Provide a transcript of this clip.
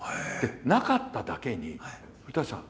なかっただけに「古さん